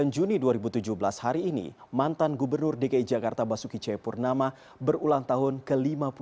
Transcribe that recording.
dua puluh juni dua ribu tujuh belas hari ini mantan gubernur dki jakarta basuki cepurnama berulang tahun ke lima puluh tujuh